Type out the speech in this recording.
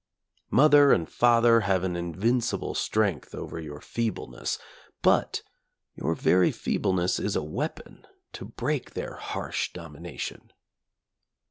Mother and father have an invincible strength over your feebleness, but your very feebleness is a weapon to break their harsh domi nation.